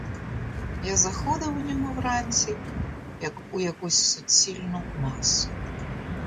Я заходив у нього вранці, як у якусь суцільну масу.